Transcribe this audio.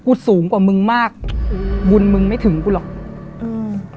สูงกว่ามึงมากบุญมึงไม่ถึงกูหรอกอืม